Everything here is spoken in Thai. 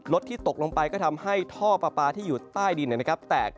ที่ตกลงไปก็ทำให้ท่อปลาปลาที่อยู่ใต้ดินแตก